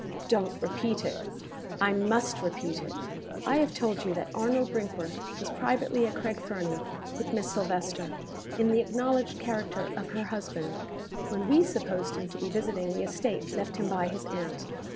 "Don't repeat it!" "I must repeat it! I have told you that Arnold Brinkworth was privately at Craig Fernie, with Miss Silvester, in the acknowledged character of her husband when we supposed him to be visiting the estate left him by his aunt.